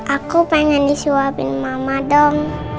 aku pengen disuapin mama dong